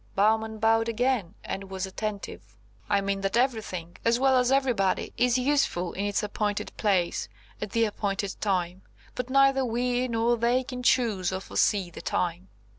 Bowman bowed again, and was attentive. "I mean that everything, as well as everybody, is useful in its appointed place, at the appointed time. But neither we nor they can choose or foresee the time."